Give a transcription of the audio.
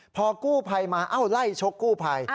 พอกู้ภัยมาเอ้าไล่ชกกู้ภัย